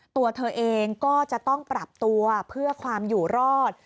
ตัวเธอเองก็จะต้องปรับตัวเพื่อความอยู่รอด